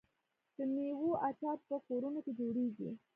د میوو اچار په کورونو کې جوړیږي.